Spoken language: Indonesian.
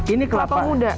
ini kelapa chef